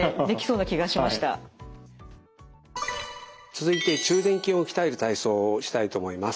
続いて中殿筋を鍛える体操をしたいと思います。